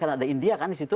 karena ada india kan di situ